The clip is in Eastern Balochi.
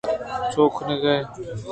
چھوء کھنغ ء؟